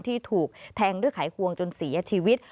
ที่ถูกแทงด้วยไขควงจนเสียชีวิต